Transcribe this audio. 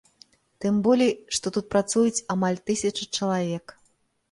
Тым болей, што тут працуюць амаль тысяча чалавек.